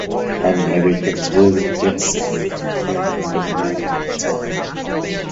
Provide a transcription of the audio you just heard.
Americans wouldn't get Sade until a year later.